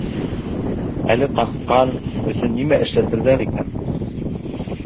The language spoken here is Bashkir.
Әле ҡасҡан өсөн нимә эшләтерҙәр икән?